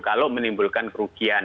kalau menimbulkan kerugian